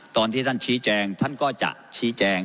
ตอนที่ท่านชี้แจงท่านก็จะชี้แจง